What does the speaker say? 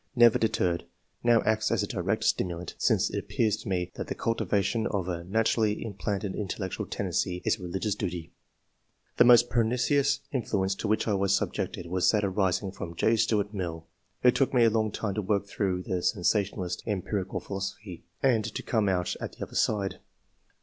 Never deterred ; now acts as a direct stimulant, since m it appears to me that the cultivation of a naturally implanted intellectual tendency is a religious duty. ... The most pernicious in fluence to which I was subjected was that arising from J. Stuart Mill. It took me a long time to work through the sensationalist, em pirical philosophy, and to come out at the other side."